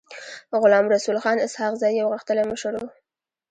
غلام رسول خان اسحق زی يو غښتلی مشر و.